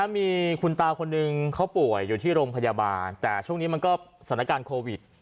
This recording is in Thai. มีคุณตาคนนึงเขาป่วยอยู่ที่โรงพยาบาลแต่ช่วงนี้มันก็สถานการณ์โควิด